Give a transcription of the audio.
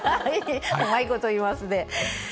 うまいこと言いますね。